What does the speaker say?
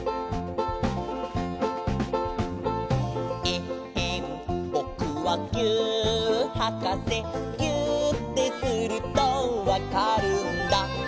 「えっへんぼくはぎゅーっはかせ」「ぎゅーってするとわかるんだ」